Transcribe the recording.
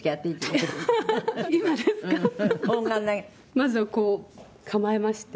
まずはこう構えまして。